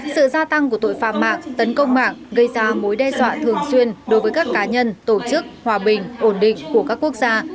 sự gia tăng của tội phạm mạng tấn công mạng gây ra mối đe dọa thường xuyên đối với các cá nhân tổ chức hòa bình ổn định của các quốc gia